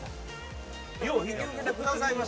よう引き受けてくださいまし